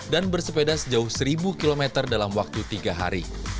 dan bersepeda sejauh seribu km dalam waktu tiga hari